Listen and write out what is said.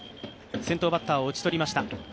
先頭バッターを打ち取りました。